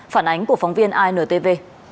phản ánh của phóng viên intv